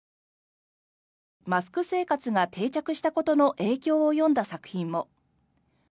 マスク生活が定着したことの影響を詠んだ作品も。